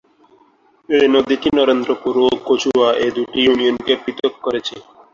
এই নদীটি নরেন্দ্রপুর ও কচুয়া এ দু'টি ইউনিয়নকে পৃথক করেছে।